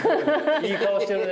いい顔してるね